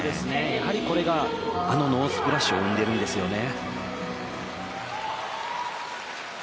やはりこれがあのノースプラッシュを生んでいるんですよね。